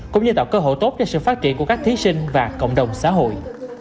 cũng như tạo cơ hội tốt cho sự phát triển của các thí sinh và cộng đồng xã hội